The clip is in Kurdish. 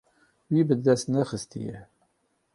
Wî bi dest nexistiye.